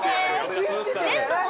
「信じて」じゃない。